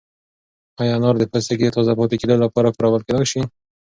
ایا انار د پوستکي د تازه پاتې کېدو لپاره کارول کیدای شي؟